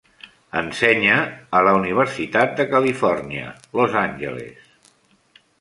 Ensenya a la Universitat de Califòrnia, Los Angeles.